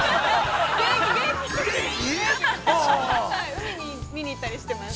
海に見に行ったりしていますか。